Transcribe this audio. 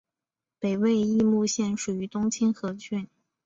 北魏绎幕县属于东清河郡。